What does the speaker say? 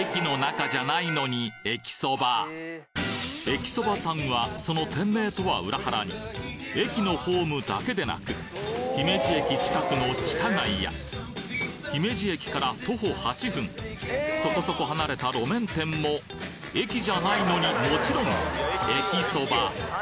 えきそばさんはその店名とは裏腹に駅のホームだけでなく姫路駅近くの地下街や姫路駅から徒歩８分そこそこ離れた路面店も駅じゃないのにもちろんえきそば！